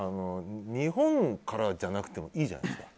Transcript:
日本からじゃなくてもいいじゃないですか。